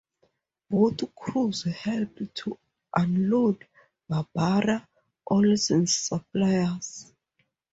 Both crews helped to unload "Barbara Olson"s supplies.